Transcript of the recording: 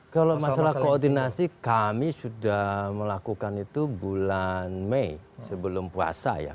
kalau masalah koordinasi kami sudah melakukan itu bulan mei sebelum puasa ya